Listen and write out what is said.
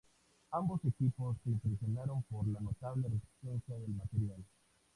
Ambos equipos se impresionaron por la notable resistencia del material.